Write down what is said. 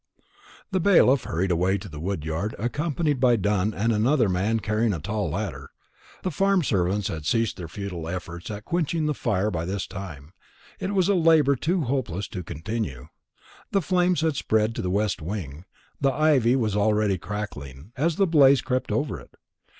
The bailiff hurried away to the wood yard, accompanied by Dunn and another man carrying a tall ladder. The farm servants had ceased from their futile efforts at quenching the fire by this time. It was a labour too hopeless to continue. The flames had spread to the west wing. The ivy was already crackling, as the blaze crept over it.